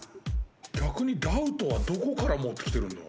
逆にダウトはどこから持ってきてるんだ？